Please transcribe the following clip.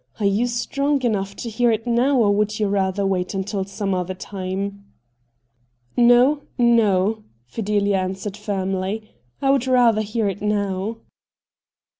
Are you strong enough to hear it now, or would you rather wait until some other time ?'* No, no,' Fidelia answered firmly. ' I would rather hear it now.'